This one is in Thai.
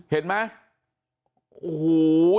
เห็นไหมโอ้โห